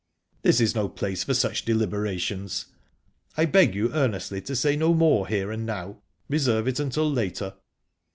"This is no place for such deliberations. I beg you earnestly to say no more here and now. Reserve it until later."